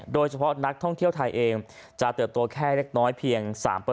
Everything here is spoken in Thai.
โดยเฉพาะนักท่องเที่ยวไทยเองจะเติบโตแค่เล็กน้อยเพียง๓